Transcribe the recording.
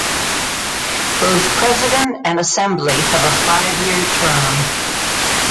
Both president and Assembly have a five-year term.